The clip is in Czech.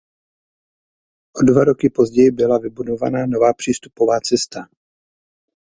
O dva roky později byla vybudována nová přístupová cesta.